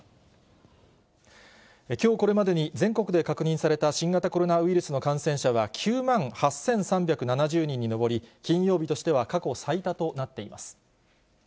きょうこれまでに、全国で確認された新型コロナウイルスの感染者は、９万８３７０人に上り、金曜日としては過去最多となっています。